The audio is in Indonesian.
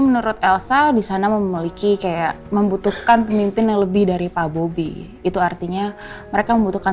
memiliki kayak membutuhkan pemimpin yang lebih dari pak bobi itu artinya mereka membutuhkan